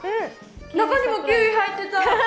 中にもキウイ入ってた。